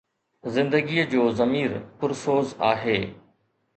زندگيءَ جو ضمير پرسوز آهي